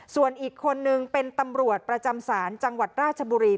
ส่วนอีกคนนึงเป็นตำรวจประจำศาลจังหวัดราชบุรี